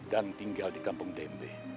dan tinggal di kampung dembe